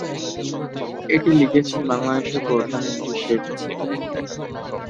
এটি লিখেছেন বাংলাদেশের প্রধানমন্ত্রী শেখ হাসিনা।